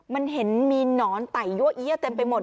มันเห็นมีหนอนไต่ยั่วเอี้ยเต็มไปหมด